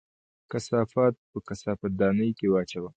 کثافات په کثافت دانۍ کې واچوه